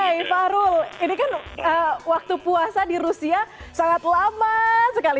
hai fahrul ini kan waktu puasa di rusia sangat lama sekali